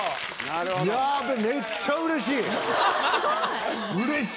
いやめっちゃうれしい！